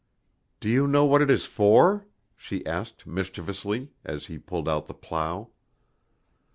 "Do you know what it is for?" she asked mischievously, as he pulled out the plow.